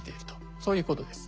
そういうことです。